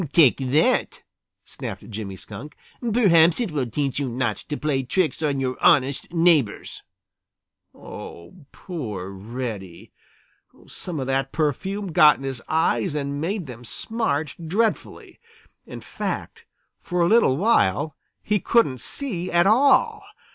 "Take that!" snapped Jimmy Skunk. "Perhaps it will teach you not to play tricks on your honest neighbors!" Poor Reddy! Some of that perfume got in his eyes and made them smart dreadfully. In fact, for a little while he couldn't see at all.